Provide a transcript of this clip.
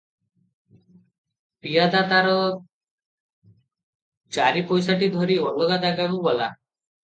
ପିଆଦା ତାର ଚାରିପଇସାଟି ଧରି ଅଲଗା ଜାଗାକୁ ଗଲା ।